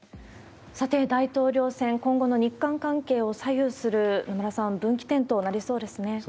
さて、大統領選、今後の日韓関係を左右する、野村さん、分岐点となりそうですね。